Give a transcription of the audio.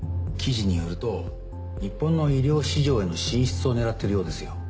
記事によると日本の医療市場への進出を狙ってるようですよ。